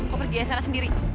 mau pergi ya salah sendiri